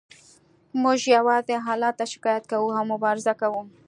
موږ یوازې الله ته شکایت کوو او مبارزه کوو